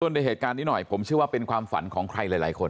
ในเหตุการณ์นี้หน่อยผมเชื่อว่าเป็นความฝันของใครหลายคน